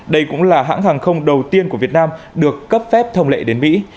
đây cũng là hãng hàng không đầu tiên của việt nam được cấp phép thông lệ đến mỹ